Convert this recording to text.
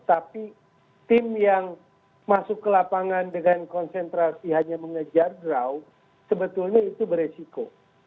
tapi tim yang masuk ke lapangan dengan konsentrasi hanya mengejar draw sebetulnya itu beresiko